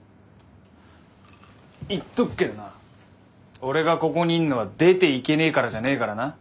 言っとくけどな俺がここにいんのは出ていけねえからじゃねえからな。